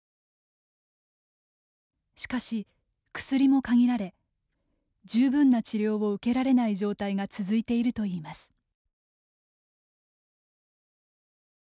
しかし、薬も限られ十分な治療を受けられない状態が続いているといいます。